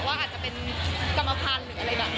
ว่าอาจจะเป็นกรรมภัณฑ์หรืออะไรแบบนี้